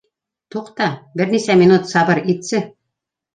Туҡта, бер генә минут сабыр итсе